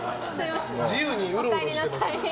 自由にうろうろしてます。